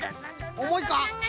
おもいか？